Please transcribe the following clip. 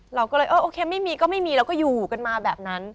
เราก็เลยเออโอเคไม่มีก็ไม่มีเราก็อยู่กันมาแบบนั้น